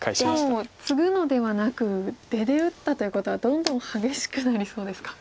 もうツグのではなく出で打ったということはどんどん激しくなりそうですか。